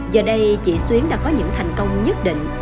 giờ đây chị xuyến đã có những thành công nhất định